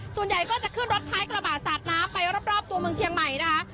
ส่วนใหญ่ก็จะขึ้นรถท้ายกระบะสาดน้ำไปรอบตัวเมืองเชียงใหม่นะคะ